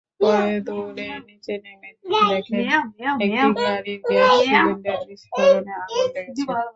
পরে দৌড়ে নিচে নেমে দেখেন, একটি গাড়ির গ্যাস সিলিন্ডার বিস্ফোরণে আগুন লেগেছে।